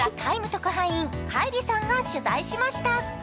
特派員カイリさんが取材しました。